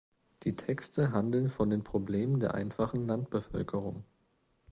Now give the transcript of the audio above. Die Texte handeln von den Problemen der einfachen Landbevölkerung.